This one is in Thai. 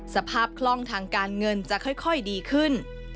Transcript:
คล่องทางการเงินจะค่อยดีขึ้น